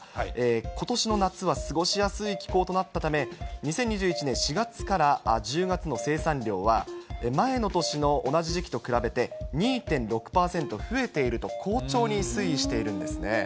ことしの夏は過ごしやすい気候となったため、２０２１年４月から１０月の生産量は、前の年の同じ時期と比べて２．６％増えていると、好調に推移しているんですね。